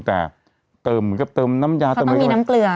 เติมก็เติมน้ำยาเติมไม่ได้เขาต้องมีน้ำเกลือ